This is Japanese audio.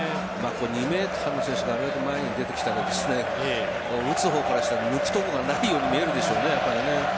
２メートルの選手があれだけ前に出てきたら打つ方からしたら抜く所がないように見えるでしょうね。